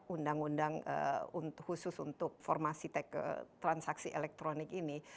undang undang khusus untuk formasi transaksi elektronik ini